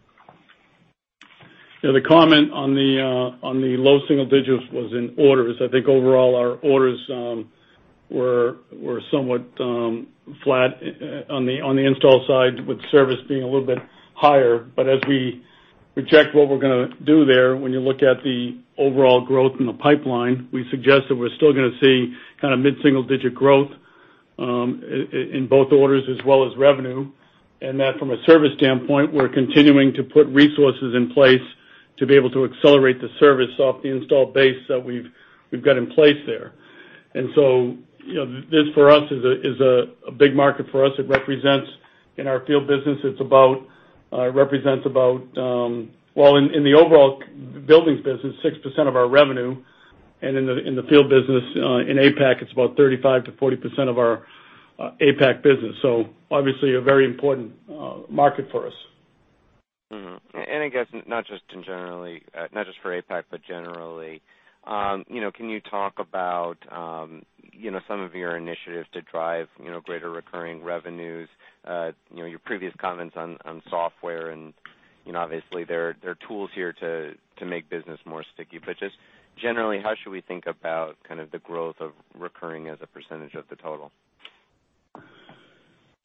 The comment on the low single-digits was in orders. I think overall our orders were somewhat flat on the install side with service being a little bit higher. As we project what we're going to do there, when you look at the overall growth in the pipeline, we suggest that we're still going to see kind of mid-single-digit growth in both orders as well as revenue. That from a service standpoint, we're continuing to put resources in place to be able to accelerate the service off the installed base that we've got in place there. This for us is a big market for us. It represents in our field business, it represents about, well, in the overall buildings business, 6% of our revenue, and in the field business in APAC, it's about 35%-40% of our APAC business. Obviously a very important market for us. Mm-hmm. I guess not just for APAC, but generally. Can you talk about some of your initiatives to drive greater recurring revenues? Your previous comments on software and obviously there are tools here to make business more sticky. Just generally, how should we think about kind of the growth of recurring as a percentage of the total?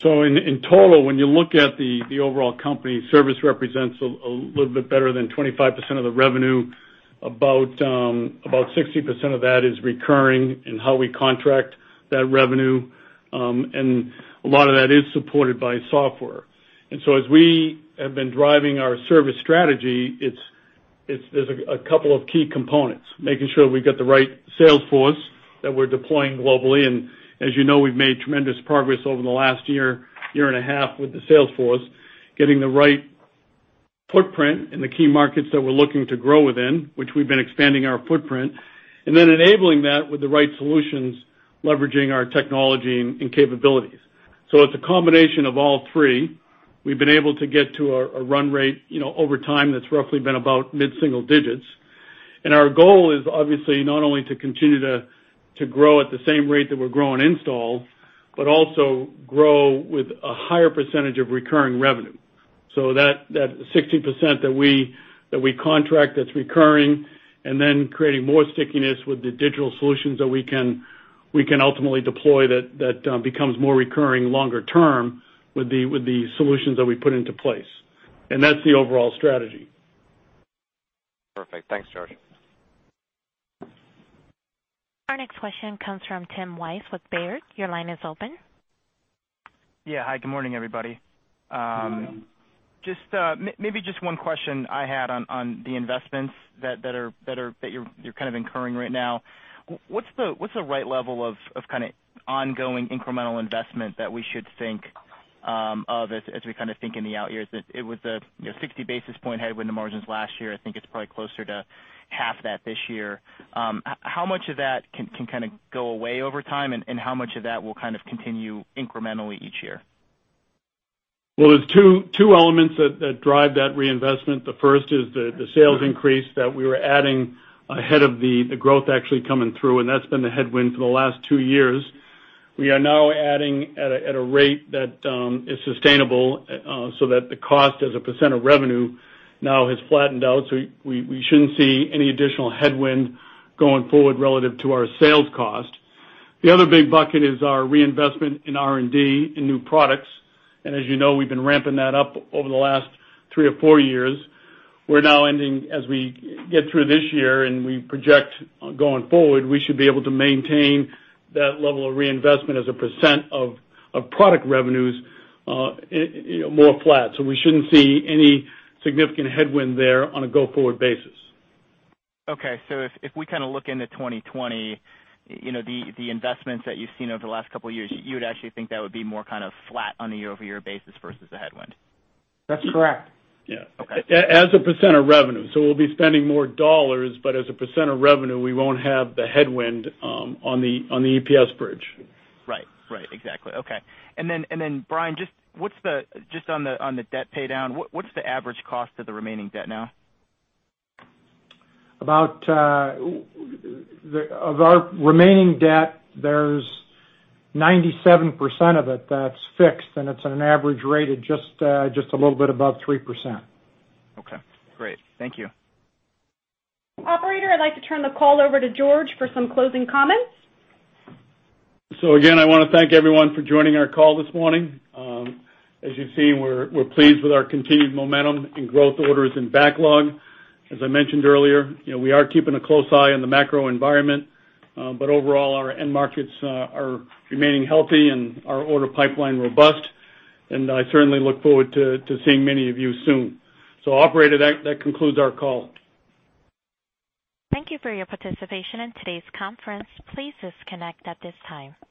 In total, when you look at the overall company, service represents a little bit better than 25% of the revenue. About 60% of that is recurring and how we contract that revenue. A lot of that is supported by software. As we have been driving our service strategy, there's a couple of key components, making sure we've got the right sales force that we're deploying globally. As you know, we've made tremendous progress over the last year and a half with the sales force, getting the right footprint in the key markets that we're looking to grow within, which we've been expanding our footprint, and then enabling that with the right solutions, leveraging our technology and capabilities. It's a combination of all three. We've been able to get to a run rate over time that's roughly been about mid-single digits. Our goal is obviously not only to continue to grow at the same rate that we're growing installed, but also grow with a higher percentage of recurring revenue. That 60% that we contract that's recurring and then creating more stickiness with the digital solutions that we can ultimately deploy that becomes more recurring longer term with the solutions that we put into place. That's the overall strategy. Perfect. Thanks, George. Our next question comes from Tim Wojs with Baird. Your line is open. Yeah. Hi, good morning, everybody. Good morning. Just one question I had on the investments that you're kind of incurring right now. What's the right level of kind of ongoing incremental investment that we should think of as we kind of think in the out years? It was a 60 basis point headwind the margins last year. I think it's probably closer to half that this year. How much of that can kind of go away over time, and how much of that will kind of continue incrementally each year? Well, there's two elements that drive that reinvestment. The first is the sales increase that we were adding ahead of the growth actually coming through, and that's been the headwind for the last two years. We are now adding at a rate that is sustainable so that the cost as a % of revenue now has flattened out, so we shouldn't see any additional headwind going forward relative to our sales cost. The other big bucket is our reinvestment in R&D in new products. As you know, we've been ramping that up over the last three or four years. We're now ending as we get through this year and we project going forward, we should be able to maintain that level of reinvestment as a % of product revenues more flat. We shouldn't see any significant headwind there on a go-forward basis. If we kind of look into 2020, the investments that you've seen over the last couple of years, you would actually think that would be more kind of flat on a year-over-year basis versus a headwind? That's correct. Yeah. Okay. As a % of revenue. We'll be spending more $, as a % of revenue, we won't have the headwind on the EPS bridge. Right. Exactly. Okay. Then, Brian, just on the debt pay down, what's the average cost of the remaining debt now? Of our remaining debt, there's 97% of it that's fixed, and it's at an average rate of just a little bit above 3%. Okay, great. Thank you. Operator, I'd like to turn the call over to George for some closing comments. Again, I want to thank everyone for joining our call this morning. As you've seen, we're pleased with our continued momentum in growth orders and backlog. As I mentioned earlier, we are keeping a close eye on the macro environment. Overall, our end markets are remaining healthy and our order pipeline robust, and I certainly look forward to seeing many of you soon. Operator, that concludes our call. Thank you for your participation in today's conference. Please disconnect at this time.